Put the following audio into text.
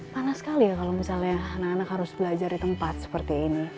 panas sekali ya kalau misalnya anak anak harus belajar di tempat seperti ini